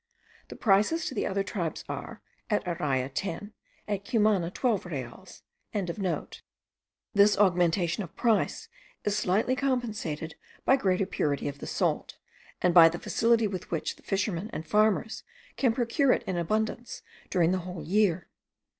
The prices to the other tribes are, at Araya ten, at Cumana twelve reals.) This augmentation of price is slightly compensated by greater purity of the salt, and by the facility with which the fishermen and farmers can procure it in abundance during the whole year.